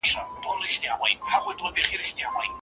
پلار هغه موزيم ته ولېږه.